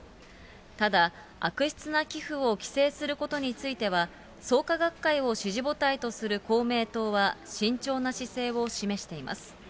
ただ、悪質な寄付を規制することについては、創価学会を支持母体とする公明党は、慎重な姿勢を示しています。